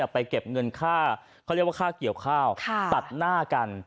ไปเก็บเงินค่าเขาเรียกว่าค่าเกี่ยวข้าวตัดหน้ากัน